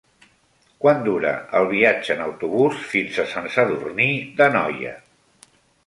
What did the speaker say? Quant dura el viatge en autobús fins a Sant Sadurní d'Anoia?